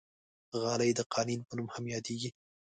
غالۍ د قالین په نوم هم یادېږي.